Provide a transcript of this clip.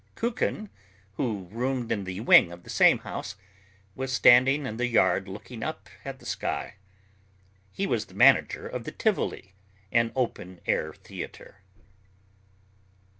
Kukin, who roomed in the wing of the same house, was standing in the yard looking up at the sky. He was the manager of the Tivoli, an open air theatre.